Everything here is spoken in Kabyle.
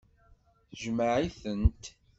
Tjmeɛ-itent.